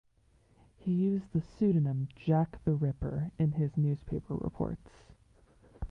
He used the pseudonym Jack the Ripper in his newspaper reports.